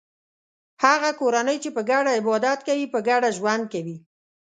هغه کورنۍ چې په ګډه عبادت کوي په ګډه ژوند کوي.